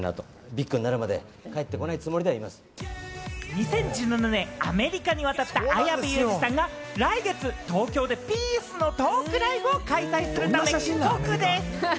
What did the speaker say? ２０１７年、アメリカに渡った、綾部祐二さんが、来月、東京でピースのトークライブを開催するため帰国です。